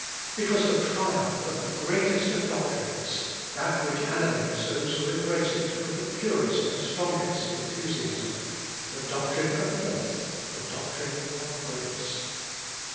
It was the triumph of the greatest of doctrines, that which animates those who embrace it with the purest and strongest enthusiasm the doctrine of faith, the doctrine of grace.